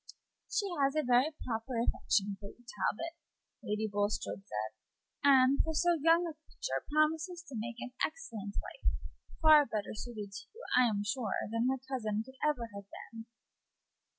"She has a very proper affection for you, Talbot," Lady Bulstrode said, "and, for so young a creature, promises to make an excellent wife; far better suited to you, I'm sure, than her cousin could ever have been."